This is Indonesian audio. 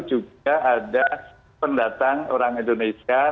juga ada pendatang orang indonesia